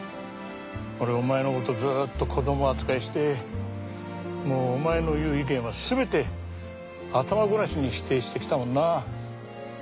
俺お前のことずっと子供扱いしてもうお前の言う意見はすべて頭ごなしに否定してきたもんな。